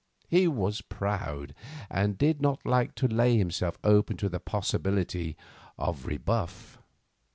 He was proud, and did not like to lay himself open to the possibility of rebuff.